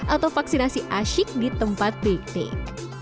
atau vaksinasi asyik di tempat tik tik